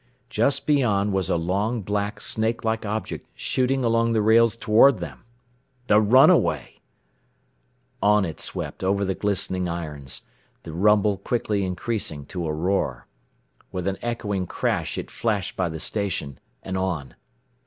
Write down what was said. Just beyond was a long, black, snake like object, shooting along the rails toward them. The runaway! On it swept over the glistening irons, the rumble quickly increasing to a roar. With an echoing crash it flashed by the station, and on.